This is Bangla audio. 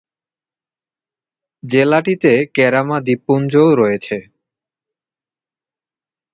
জেলাটিতে কেরামা দ্বীপপুঞ্জও রয়েছে।